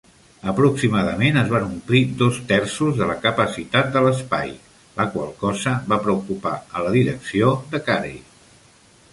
Aproximadament es van omplir dos terços de la capacitat de l'espai, la qual cosa va preocupar a la direcció de Carey.